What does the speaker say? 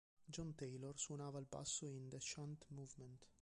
John Taylor suonava il basso in "The Chant Movement".